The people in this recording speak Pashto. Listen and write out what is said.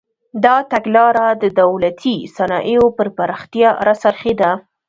دا تګلاره د دولتي صنایعو پر پراختیا راڅرخېده.